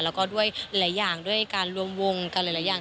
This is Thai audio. แล้วก็ด้วยหลายอย่างด้วยการรวมวงกันหลายอย่าง